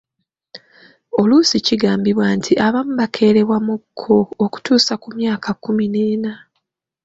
Oluusi kigambibwa nti abamu bakeerewamuuko okutuusa ku myaka kkumi n'ena.